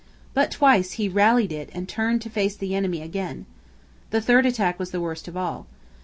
But twice he rallied it and turned to face the enemy again. The third attack was the worst of all.